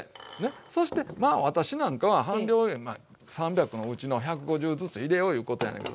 そして私なんかは半量３００のうちの１５０ずつ入れよういうことやねんけど。